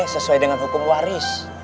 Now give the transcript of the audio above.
sesuai dengan hukum waris